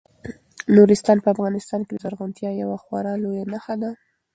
نورستان په افغانستان کې د زرغونتیا یوه خورا لویه نښه ده.